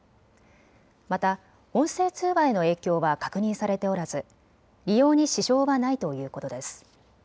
また音声通話への影響は確認されておらず利用に支障はないということです。